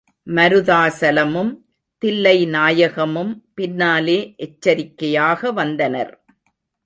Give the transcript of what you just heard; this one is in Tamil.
மருதாசலமும் தில்லைநாயகமும் பின்னாலே எச்சரிக்கையாக வந்தனர்.